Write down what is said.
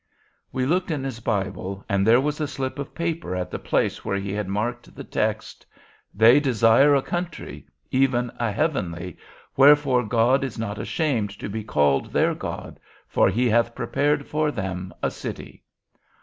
"We looked in his Bible, and there was a slip of paper at the place where he had marked the text. "'They desire a country, even a heavenly: wherefore God is not ashamed to be called their God: for He hath prepared for them a city.'